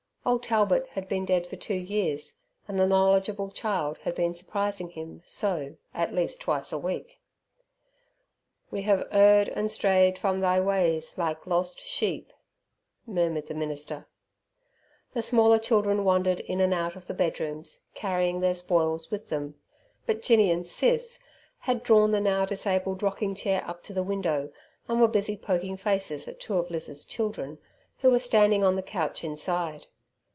"Ole Talbert" had been dead for two years, and the knowledgeable child had been surprising him so, at least twice a week. "We have erred and strayed from Thy ways like lost sheep," murmured the minister. The smaller children wandered in and out of the bedrooms, carrying their spoils with them. But Jinny and Six had drawn the now disabled rocking chair up to the window, and were busy poking faces at two of Liz's children, who were standing on the couch inside.